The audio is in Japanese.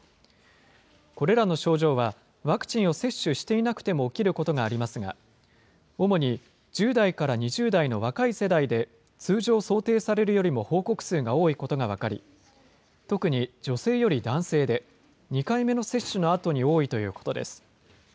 これらの症状は、ワクチンを接種していなくても起きることがありますが、主に１０代から２０代の若い世代で、通常想定されるよりも報告数が多いことが分かり、特に女性より男性で、２回目の接種のあとに多いということです。